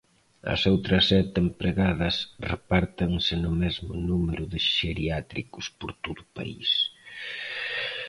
As outras sete empregadas repártense no mesmo número de xeriátricos por todo o país.